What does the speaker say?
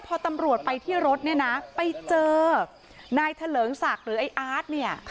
พอตำรวจไปที่รถเนี่ยนะไปเจอนายเถลิงศักดิ์หรือไอ้อาร์ตเนี่ย